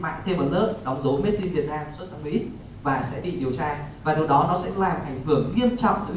và điều đó nó sẽ làm ảnh hưởng nghiêm trọng cho uy tín của việt nam